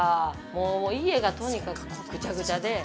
もう家がとにかくぐちゃぐちゃで。